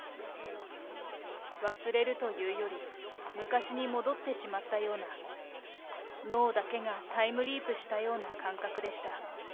忘れるというより、昔に戻ってしまったような、脳だけがタイムリープしたような感覚でした。